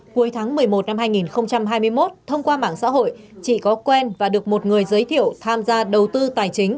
cuối tháng một mươi một năm hai nghìn hai mươi một thông qua mạng xã hội chị có quen và được một người giới thiệu tham gia đầu tư tài chính